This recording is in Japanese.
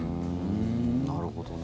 なるほどね。